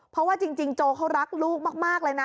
เพราะว่าจริงโจเขารักลูกมากเลยนะ